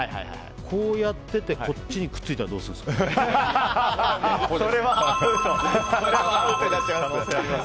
こうやっててこっちにくっついたらそれはアウトです。